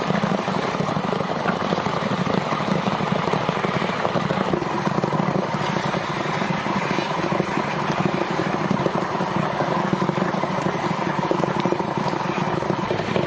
พร้อมทุกสิทธิ์